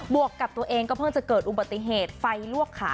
วกกับตัวเองก็เพิ่งจะเกิดอุบัติเหตุไฟลวกขา